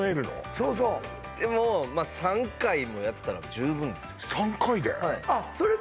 そうそうでも３回もやったら十分ですよ３回で？